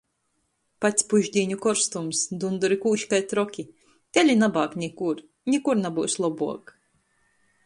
Pats pušdīņu korstums, dunduri kūž kai troki. Teli nabāg nikur, nikur nabyus lobuok.